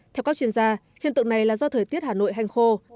theo các chuyên gia hiện tượng này là do thời tiết hà nội hành khô